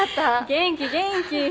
元気元気。